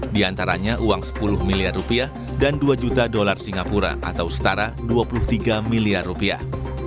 di antaranya uang sepuluh miliar rupiah dan dua juta dolar singapura atau setara dua puluh tiga miliar rupiah